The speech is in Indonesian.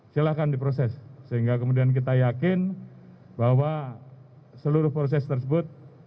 silahkan diproses sehingga kemudian kita yakin bahwa seluruh proses tersebut